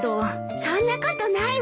そんなことないわ。